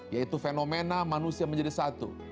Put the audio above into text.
yaitu fenomena manusia menjadi satu